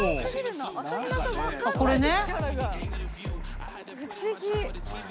これね？